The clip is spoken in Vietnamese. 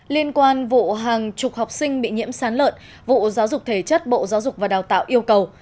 liên quan vụ hàng chục học sinh bị nhiễm sán lợn vụ giáo dục thể chất bộ giáo dục và đào tạo yêu cầu